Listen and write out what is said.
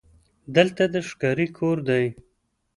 دلته د ښکاري کور دی: